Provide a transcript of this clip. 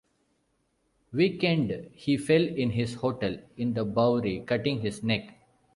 Weakened, he fell in his hotel in the Bowery, cutting his neck.